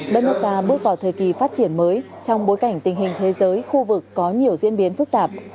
đất nước ta bước vào thời kỳ phát triển mới trong bối cảnh tình hình thế giới khu vực có nhiều diễn biến phức tạp